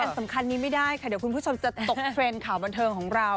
สำคัญนี้ไม่ได้ค่ะเดี๋ยวคุณผู้ชมจะตกเทรนด์ข่าวบันเทิงของเรา